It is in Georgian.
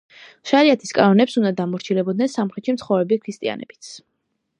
შარიათის კანონებს უნდა დამორჩილებოდნენ სამხრეთში მცხოვრები ქრისტიანებიც.